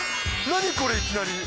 何これ、いきなり。